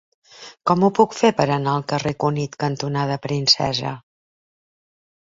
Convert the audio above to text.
Com ho puc fer per anar al carrer Cunit cantonada Princesa?